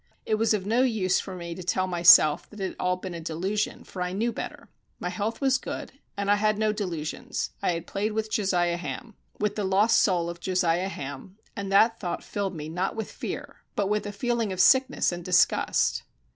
It was of no use for me to tell myself that it had all been a delusion, for I knew better. My health was good, and I had no delusions. I had played it with Josiah Ham with the lost soul of Josiah Ham and that thought filled me not with fear, but with a feeling of sickness and disgust.